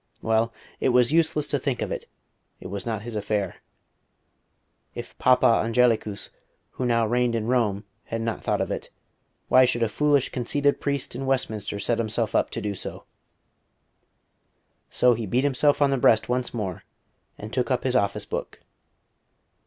Well, it was useless to think of it. It was not his affair. If Papa Angelicus who now reigned in Rome had not thought of it, why should a foolish, conceited priest in Westminster set himself up to do so? So he beat himself on the breast once more, and took up his office book.